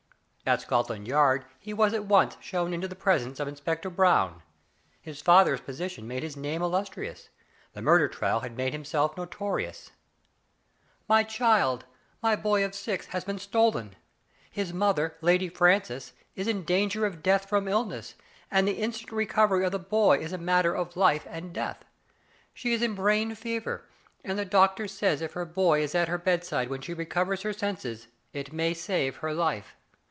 At Scotland Yard he was at once shown into the presence of Inspector Brown. His father's position made his name illustrious; the murder trial had made himself notorious. " My child — my boy of six — has been stolen. His mother. Lady Francis, is in danger of death from illness, and the instant recovery of the boy is a matter of life and death. She is in brain Digitized by Google RICHARD DOW LING, 165 fever, and the doctor says if her boy is at her bedside when she recovers her senses it may save her life.